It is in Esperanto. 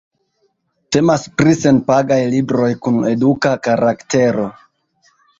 Temas pri senpagaj libroj kun eduka karaktero.